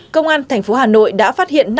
công an tp hà nội đã phát hiện